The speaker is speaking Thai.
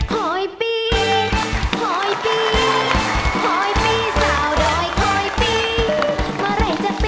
ขอบคุณครับ